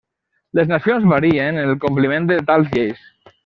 Les nacions varien en el compliment de tals lleis.